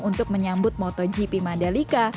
untuk menyambut motogp mandalika